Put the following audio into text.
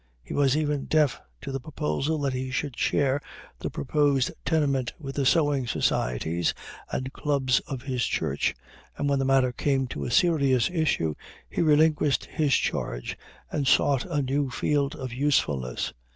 He was even deaf to the proposal that he should share the proposed tenement with the sewing societies and clubs of his church, and when the matter came to a serious issue, he relinquished his charge and sought a new field of usefulness.